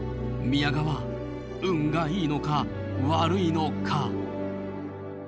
宮川運がいいのか悪いのか。